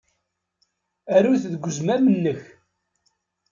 Aru-t deg uzmam-nnek.